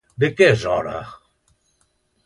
De què és hora?